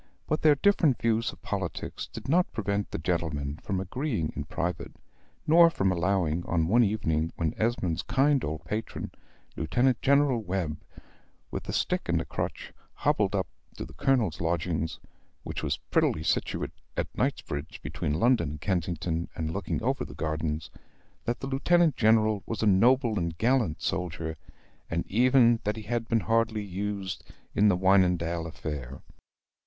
But their different views of politics did not prevent the gentlemen from agreeing in private, nor from allowing, on one evening when Esmond's kind old patron, Lieutenant General Webb, with a stick and a crutch, hobbled up to the Colonel's lodging (which was prettily situate at Knightsbridge, between London and Kensington, and looking over the Gardens), that the Lieutenant General was a noble and gallant soldier and even that he had been hardly used in the Wynendael affair.